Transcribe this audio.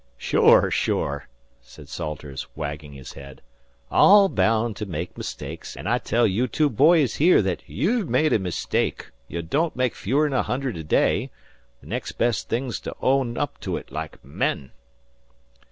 "Sure! Sure!" said Salters, wagging his head. "All baound to make mistakes, an' I tell you two boys here thet after you've made a mistake ye don't make fewer'n a hundred a day the next best thing's to own up to it like men."